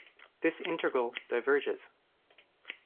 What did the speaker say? This integral diverges.